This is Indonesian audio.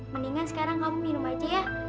mendingan sekarang kamu minum aja ya